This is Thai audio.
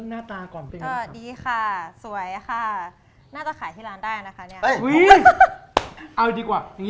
นะคะน่าจะขายที่ล้านได้นะคะเอ้ยอุทธิ์เอาดีกว่าอย่างงี้